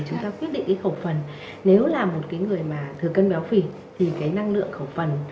chúng ta quyết định cái khẩu phần nếu là một cái người mà thừa cân béo phì thì cái năng lượng khẩu phần